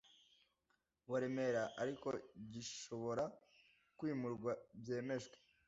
wa Remera ariko gishobora kwimurwa byemejwe